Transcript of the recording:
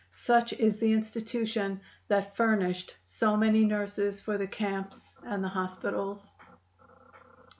Such is the institution that furnished so many nurses for the camps and the hospitals.